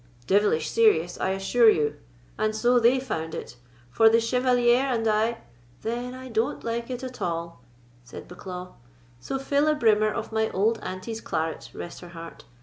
"Devilish serious, I assure you, and so they found it; for the Chevalier and I——" "Then I don't like it at all," said Bucklaw; "so fill a brimmer of my auld auntie's claret, rest her heart!